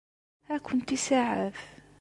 Ad ken-isaɛef?